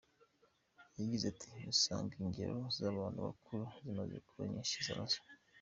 Yagize ati “Usanga ingero z’abantu bakuru zimaze kuba nyinshi na zo.